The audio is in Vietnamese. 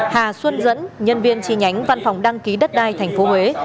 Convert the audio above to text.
hà xuân dẫn nhân viên chi nhánh văn phòng đăng ký đất đai tp huế